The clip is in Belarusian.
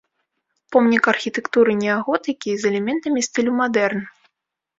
Помнік архітэктуры неаготыкі з элементамі стылю мадэрн.